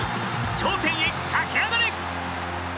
頂点へ駆け上がれ！